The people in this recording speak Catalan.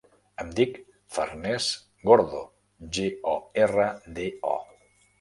Em dic Farners Gordo: ge, o, erra, de, o.